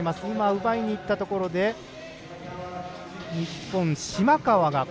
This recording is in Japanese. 奪いにいったところで日本、島川。